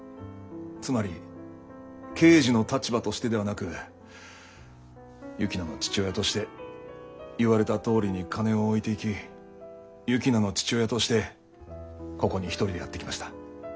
つまり刑事の立場としてではなく雪菜の父親として言われたとおりに金を置いていき雪菜の父親としてここに一人でやって来ました。